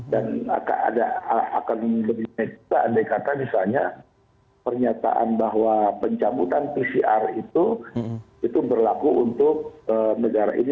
dan akan lebih baik juga andai kata misalnya pernyataan bahwa pencabutan pcr itu berlaku untuk negara ini